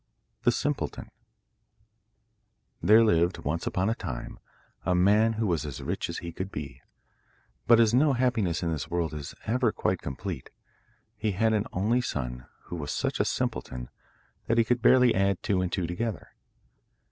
] The Simpleton There lived, once upon a time, a man who was as rich as he could be; but as no happiness in this world is ever quite complete, he had an only son who was such a simpleton that he could barely add two and two together.